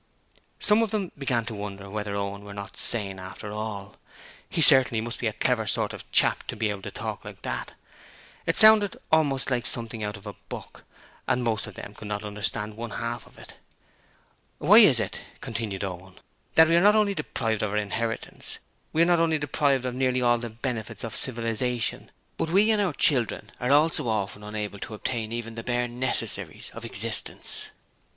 Some of them began to wonder whether Owen was not sane after all. He certainly must be a clever sort of chap to be able to talk like this. It sounded almost like something out of a book, and most of them could not understand one half of it. 'Why is it,' continued Owen, 'that we are not only deprived of our inheritance we are not only deprived of nearly all the benefits of civilization, but we and our children are also often unable to obtain even the bare necessaries of existence?'